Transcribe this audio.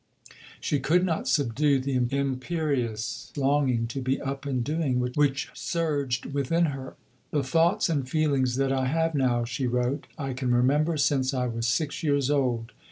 She could not subdue the imperious longing to be up and doing which surged within her. "The thoughts and feelings that I have now," she wrote, "I can remember since I was six years old.